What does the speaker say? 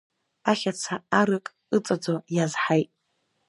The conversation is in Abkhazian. Ахьаца арык ыҵаӡо иазҳаит.